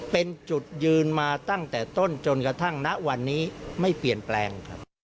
เป็นจุดยืนมาตั้งแต่ต้นจนกระทั่งณวันนี้ไม่เปลี่ยนแปลงครับ